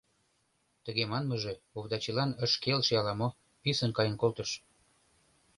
Тыге манмыже Овдачилан ыш келше ала-мо, писын каен колтыш.